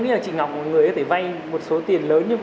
mày như thế nào mày nói lừa tao đúng không